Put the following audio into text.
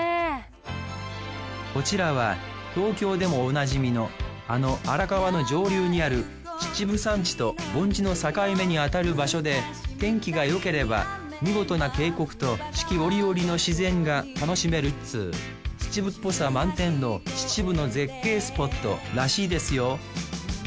こちらは東京でもおなじみのあの荒川の上流にある秩父山地と盆地の境目にあたる場所で天気がよければ見事な渓谷と四季折々の自然が楽しめるっつう秩父っぽさ満点の秩父の絶景スポットらしいですよ